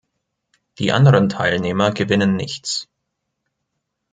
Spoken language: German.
Die anderen Teilnehmer gewinnen nichts.